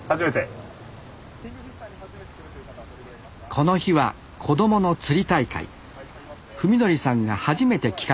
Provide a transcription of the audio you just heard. この日は子供の釣り大会。